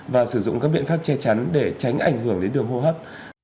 và sử dụng các biện pháp che chắn để tránh ảnh hưởng đến đường hô hấp